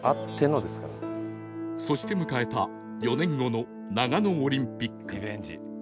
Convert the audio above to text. そして迎えた４年後の長野オリンピック